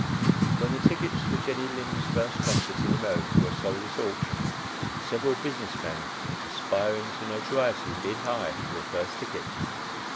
When the tickets for Jenny Lind's first concert in America were sold at auction, several business men, aspiring to notoriety, "bid high" for the first ticket.